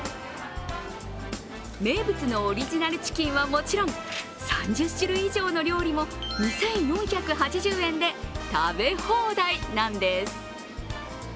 名物のオリジナルチキンはもちろん、３０種類以上の料理も２４８０円で食べ放題なんです。